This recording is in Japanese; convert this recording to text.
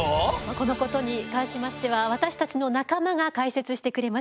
このことに関しましては私たちの仲間が解説してくれます。